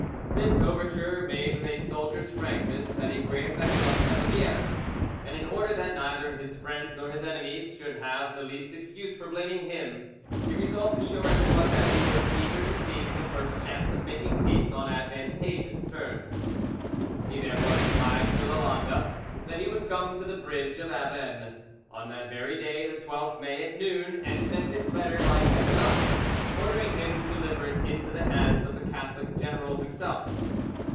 This overture, made with a soldier's frankness, had a great effect on Cavalier, and in order that neither his friends nor his enemies should have the least excuse for blaming him, he resolved to show everyone that he was eager to seize the first chance of making peace on advantageous terms. He therefore replied to Lalande, that he would come to the bridge of Avene on that very day, the 12th May, at noon, and sent his letter by Catinat, ordering him to deliver it into the hands of the Catholic general himself.